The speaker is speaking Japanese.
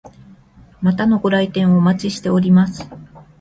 またのご来店をお待ちしております。